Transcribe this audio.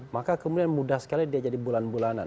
maka kemudian mudah sekali dia jadi bulan bulanan